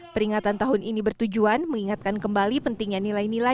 peringatan tahun ini bertujuan mengingatkan kembali pentingnya nilai nilai